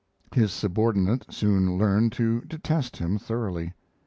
His subordinate soon learned to detest him thoroughly.